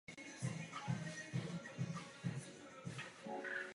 Budeme jej samozřejmě posuzovat podle jeho činů.